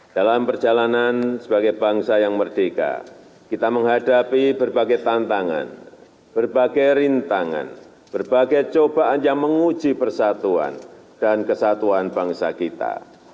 dalam perjalanan sebagai bangsa yang merdeka kita menghadapi berbagai tantangan berbagai rintangan berbagai cobaan yang menguji persatuan dan kesatuan bangsa kita